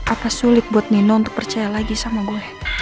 apa sulit buat nino untuk percaya lagi sama gue